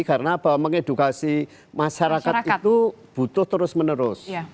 karena mengedukasi masyarakat itu butuh terus menerus